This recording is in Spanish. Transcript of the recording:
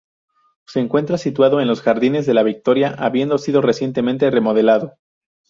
Se encuentra situado en los Jardines de la Victoria, habiendo sido recientemente remodelado.